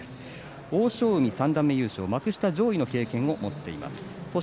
欧勝海三段目優勝、幕下上位の経験も持っています。